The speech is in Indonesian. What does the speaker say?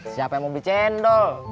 siapa yang mau beli cendol